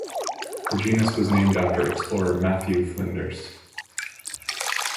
The genus was named after explorer Matthew Flinders.